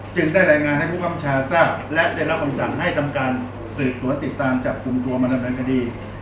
ได้รายงานให้ผู้คำชาทราบและได้รับคำสั่งให้ทำการสืบสวนติดตามจับกลุ่มตัวมาดำเนินคดี